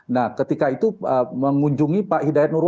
nah ketika itu mengunjungi pak hidayat nur